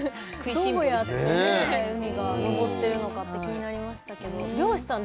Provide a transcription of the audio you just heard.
どうやってウニが登ってるのかって気になりましたけど漁師さん